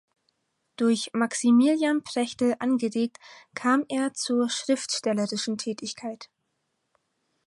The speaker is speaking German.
Durch Maximilian Prechtl angeregt kam er zur schriftstellerischen Tätigkeit.